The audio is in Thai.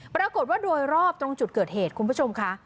ปรากฏว่าโดยรอบตรงจุดเกิดเหตุคุณผู้ชมค่ะ